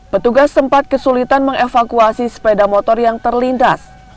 petugas sempat kesulitan mengevakuasi sepeda motor yang terlintas